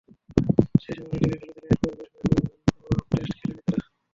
সেই সফরে দুটি টেস্ট খেলেছিল, এরপর বেশ কিছুদিন কোনো টেস্ট খেলেনি তারা।